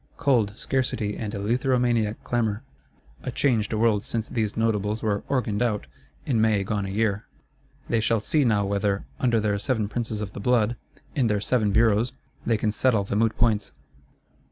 Cold, scarcity and eleutheromaniac clamour: a changed world since these Notables were "organed out," in May gone a year! They shall see now whether, under their Seven Princes of the Blood, in their Seven Bureaus, they can settle the moot points.